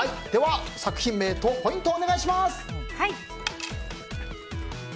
作品名とポイントをお願いします。